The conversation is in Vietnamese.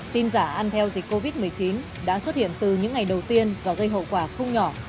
tin giả ăn theo dịch covid một mươi chín đã xuất hiện từ những ngày đầu tiên và gây hậu quả không nhỏ